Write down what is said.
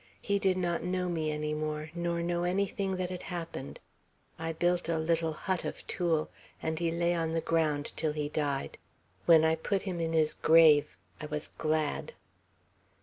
He did not know me any more, nor know anything that had happened. I built a little hut of tule, and he lay on the ground till he died. When I put him in his grave, I was glad."